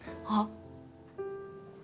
あっ。